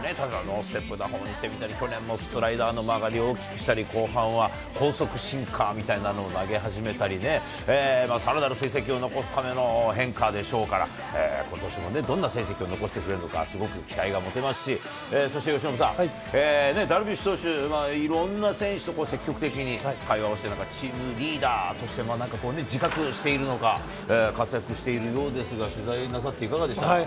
ステップ打法にしてみたり、去年もスライダーの曲がりを大きくしたり、後半は高速シンカーみたいなのを投げ始めたりね、さらなる成績を残すための変化でしょうから、ことしもね、どんな成績を残してくれるのか、すごく期待が持てますし、そして由伸さん、ダルビッシュ投手、いろんな選手と積極的に会話をして、なんかチームリーダーとして、なんか自覚しているのか、活躍しているようですが、取材なさっていかがですか。